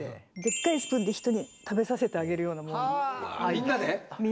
みんなで。